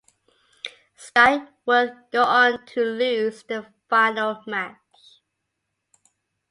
Sky would go on to lose the final match.